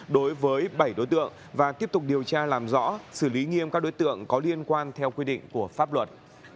đối với bảy đối tượng và tiếp tục điều tra làm rõ xử lý nghiêm các đối tượng có liên quan theo quy định của pháp luật